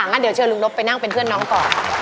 งั้นเดี๋ยวเชิญลุงนบไปนั่งเป็นเพื่อนน้องก่อน